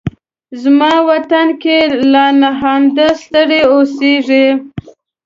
زما وطن کې لالهانده ستړي اوسې